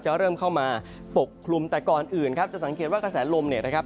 เริ่มเข้ามาปกคลุมแต่ก่อนอื่นครับจะสังเกตว่ากระแสลมเนี่ยนะครับ